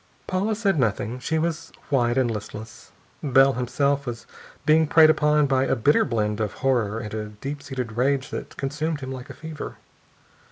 Paula said nothing. She was white and listless. Bell, himself, was being preyed upon by a bitter blend of horror and a deep seated rage that consumed him like a fever.